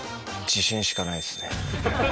自信しかないっすね。